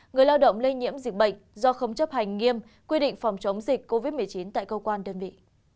người lao động lây nhiễm dịch bệnh do không chấp hành nghiêm quy định phòng chống dịch covid một mươi chín tại cơ quan đơn vị